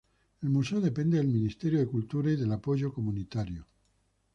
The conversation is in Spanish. El museo depende del Ministerio de Cultura y del apoyo comunitario.